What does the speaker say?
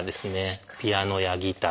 ピアノやギター